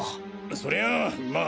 そりゃあまあ